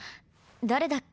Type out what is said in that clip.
誰だっけ？